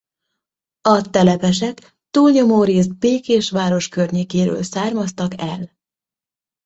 A telepesek túlnyomórészt Békés város környékéről származtak el.